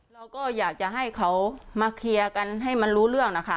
เราก็อยากจะให้เขามาเคลียร์กันให้มันรู้เรื่องนะคะ